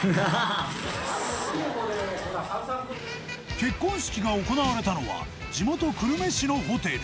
結婚式が行われたのは地元久留米市のホテル。